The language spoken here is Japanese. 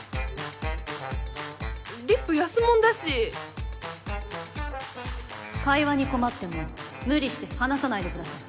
リップ安物だし会話に困っても無理して話さないでください